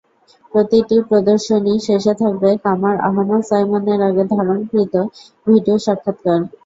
প্রতিটি প্রদর্শনীর শেষে থাকবে কামার আহমাদ সাইমনের আগে ধারণকৃত ভিডিও সাক্ষাৎকার।